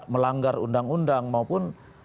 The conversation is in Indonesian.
melanggar undang undang maupun